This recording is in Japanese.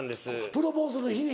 プロポーズの日に。